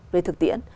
về thực tiễn